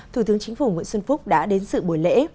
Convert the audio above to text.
thủ tướng chính phủ nguyễn xuân phúc đã đến sự buổi lễ